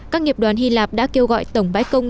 các nghiệp đoàn hy lạp đã kêu gọi tổng bãi công